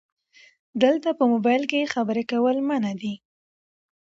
دلته په مبایل کې خبرې کول منع دي 📵